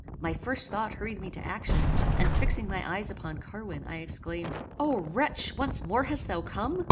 My first thought hurried me to action, and, fixing my eyes upon Carwin I exclaimed "O wretch! once more hast thou come?